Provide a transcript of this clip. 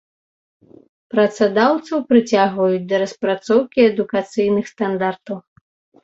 Працадаўцаў прыцягваюць да распрацоўкі адукацыйных стандартаў.